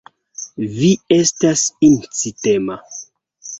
Vi estas incitema.